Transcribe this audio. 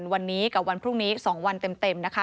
วันนี้กับวันพรุ่งนี้๒วันเต็มนะคะ